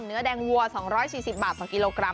เนื้อแดงวัว๒๔๐บาทต่อกิโลกรัม